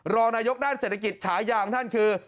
รองนายกด้านเศรษฐกิจฉายาของท่านคือ